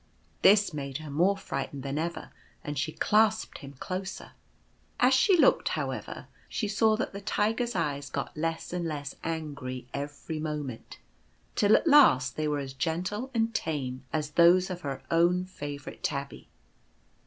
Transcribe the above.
This made her more frightened than ever, and she clasped him closer. As she looked, however, she saw that the Tiger's eyes got less and less angry every moment, till at last they were as gentle and tame as those of her own favourite tabby.